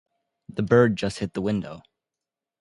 The bird just hit the window.